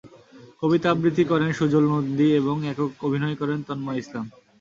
কবিতা আবৃত্তি করেন সুজল নন্দী এবং একক অভিনয় করেন তন্ময় ইসলাম।